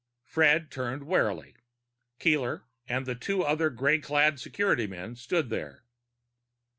Fred turned warily. Keeler and two other gray clad security men stood there.